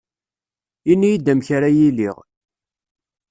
Ini-yi-d amek ara iliɣ